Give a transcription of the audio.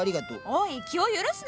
おい気を許すな！